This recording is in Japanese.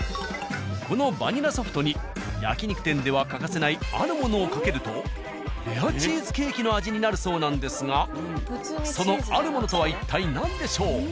このバニラソフトに焼肉店では欠かせないあるものをかけるとレアチーズケーキの味になるそうなんですがそのあるものとは一体何でしょう？